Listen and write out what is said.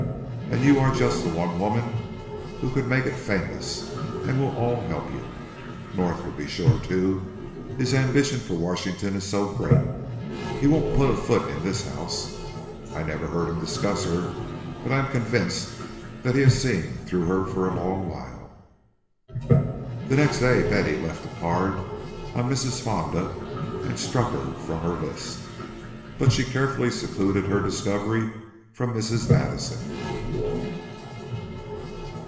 And you are just the one woman who could make it famous; and we'd all help you. North would be sure to, his ambition for Washington is so great. He won't put his foot in this house. I never heard him discuss her, but I am convinced that he has seen through her for a long while." The next day Betty left a card on Mrs. Fonda and struck her from her list; but she carefully secluded her discovery from Mrs. Madison.